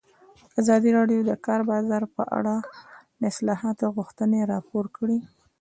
ازادي راډیو د د کار بازار په اړه د اصلاحاتو غوښتنې راپور کړې.